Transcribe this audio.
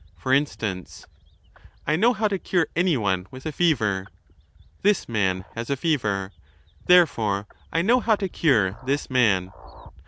For instance — I know how to cure any one with a fever. This man has a fever. .'. I know how to cure this man.